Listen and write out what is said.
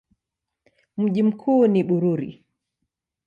Mji mkuu ni Bururi.